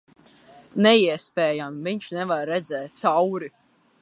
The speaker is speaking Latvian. Neiespējami. Viņš nevar redzēt cauri...